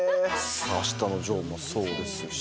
『あしたのジョー』もそうですし。